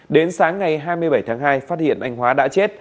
đến sáng ngày hai mươi bảy tháng hai phát hiện anh hóa đã chết